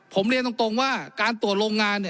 ผมเรียนตรงว่าการตรวจโรงงาน